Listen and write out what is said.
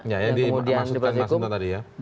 ya ya dimaksudkan tadi ya